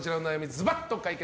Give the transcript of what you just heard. ズバッと解決。